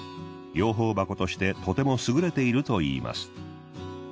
養蜂箱としてとても優れているといいます。